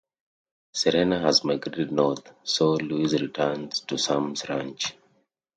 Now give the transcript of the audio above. Serena has migrated north, so Louis returns to Sam's ranch.